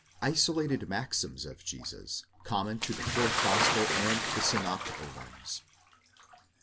ISOLATED MAXIMS OF JESUS, COMMON TO THE FOURTH GOSPEL AND THE SYNOPTICAL ONES.